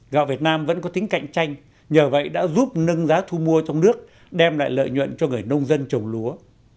gạo việt nam vẫn có tính cạnh tranh nhờ vậy đã giúp nâng giá thu mua trong nước đem lại lợi nhuận cho người nông dân trồng lúa